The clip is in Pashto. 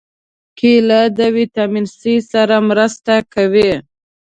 کېله د ویټامین C سره مرسته کوي.